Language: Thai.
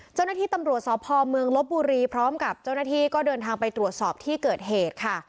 เจ้าหน้าที่ตำรวจสพเมืองลบบุรีพร้อมกับเจ้าหน้าที่ก็เดินทางไปตรวจสอบที่เกิดเหตุค่ะ